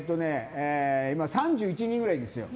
今、３１人ぐらいいるんです。